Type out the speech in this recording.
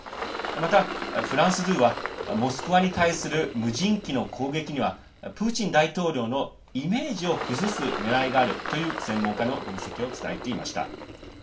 また、フランス２はモスクワに対する無人機の攻撃にはプーチン大統領のイメージを崩すねらいがあるという専門家の分析を伝えていました。